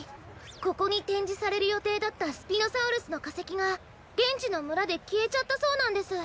ここにてんじされるよていだったスピノサウルスのかせきがげんちのむらできえちゃったそうなんです。